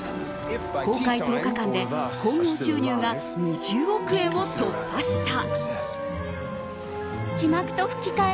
公開１０日間で興行収入が２０億円を突破した。